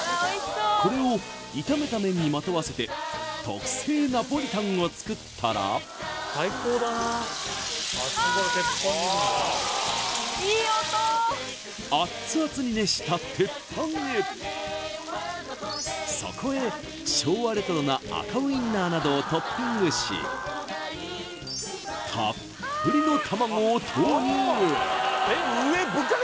これを炒めた麺にまとわせて特製ナポリタンを作ったらあっつあつに熱した鉄板へそこへ昭和レトロな赤ウインナーなどをトッピングしたっぷりの卵を投入